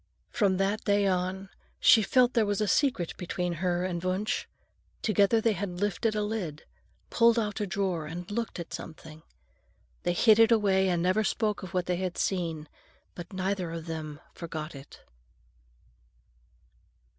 From that day on, she felt there was a secret between her and Wunsch. Together they had lifted a lid, pulled out a drawer, and looked at something. They hid it away and never spoke of what they had seen; but neither of them forgot it.